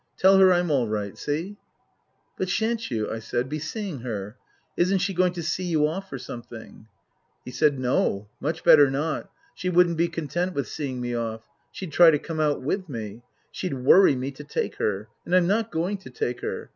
Tell her I'm all right. See ?"" But shan't you," I said, " be seeing her ? Isn't she going to see you off or something ?" He said, " No. Much better not. She wouldn't be content with seeing me off. She'd try to come out with me. She'd worry me to take her. And I'm not going to take her.